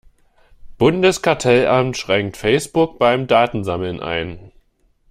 Bundeskartellamt schränkt Facebook beim Datensammeln ein.